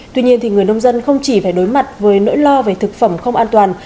tuy nhiên người nông dân không chỉ phải đối mặt với nỗi lo về thực phẩm không an toàn